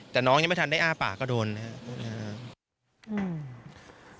แต่น้องยังไม่ทันได้อ้าปากก็โดนนะครับ